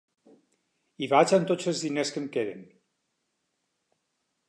Hi vaig amb tots els diners que em queden.